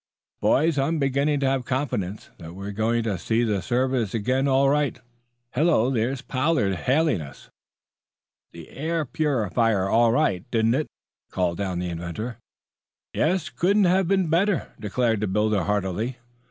"Boys, I'm beginning to have confidence that we're going to see the surface again all right. Hullo, there's Pollard hailing us." "The air purified all right, didn't it?" called down the inventor. "Yes; couldn't have been better," declared the builder heartily.